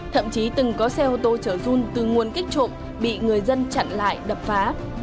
thậm chí từng có xe ô tô chở run từ nguồn kích trộm bị người dân chặn lại đập phá